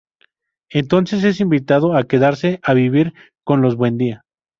Entonces, es invitado a quedarse a vivir con los Buendía.